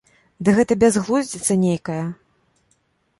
Ды гэта бязглудзіца нейкая.